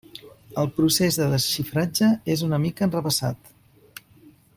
El procés de desxifratge és una mica enrevessat.